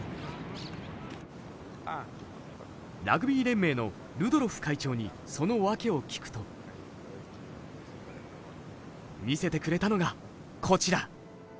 ラグビー連盟のルドロフ会長にその訳を聞くと見せてくれたのがこちら。